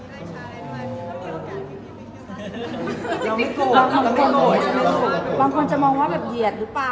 ผมว่ามันแย่เลยและทุกคนน่ารักคนทุกคนน่ารักมาก